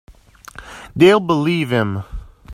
They'll believe him.